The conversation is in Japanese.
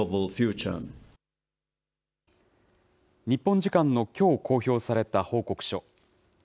日本人のきょう、公表された報告書。